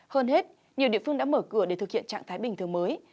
hơn hết nhiều địa phương đã mở cửa để thực hiện trạng thái bình thường mới